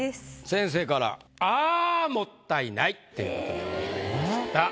先生から「あもったいない！」っていうことでございました。